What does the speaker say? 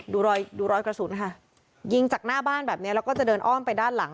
ดูรอยดูรอยกระสุนค่ะยิงจากหน้าบ้านแบบนี้แล้วก็จะเดินอ้อมไปด้านหลัง